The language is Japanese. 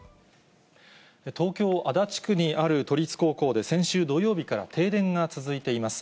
東京・足立区にある都立高校で、先週土曜日から停電が続いています。